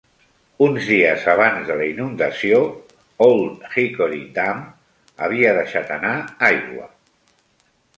Uns dies abans de la inundació, Old Hickory Dam havia deixat anar aigua.